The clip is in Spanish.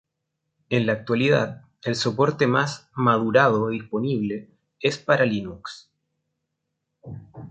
En la actualidad el soporte más madurado disponible es para Linux.